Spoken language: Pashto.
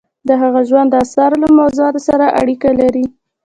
د هغه ژوند د اثارو له موضوعاتو سره اړیکه لري.